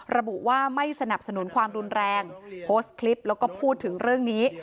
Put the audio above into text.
ระบุว่าไม่สนับสนุนความรุนแรงโพสต์คลิปแล้วก็พูดถึงเรื่องนี้